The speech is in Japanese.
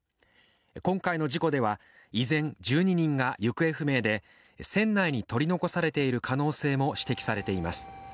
今回の事故では、依然１２人が行方不明で船内に取り残されている可能性も指摘されています。